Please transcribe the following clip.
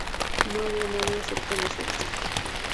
No había nadie excepto nosotros.